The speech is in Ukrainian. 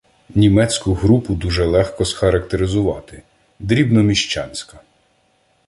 Німецьку групу дуже легко схарактеризувати: дрібно-міщанська.